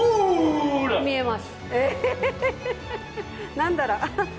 何だろう？